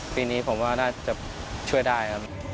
ปีนี้ผมว่าน่าจะช่วยได้ครับ